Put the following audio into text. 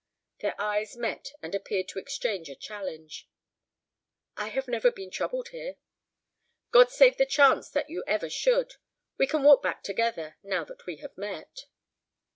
Their eyes met and appeared to exchange a challenge. "I have never been troubled here." "God save the chance that you ever should. We can walk back together, now that we have met."